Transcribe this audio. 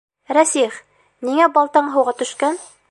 Рәсих, ниңә балтаң һыуға төшкән?